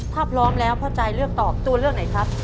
ถ้าพร้อมแล้วพ่อใจเลือกตอบตัวเลือกไหนครับ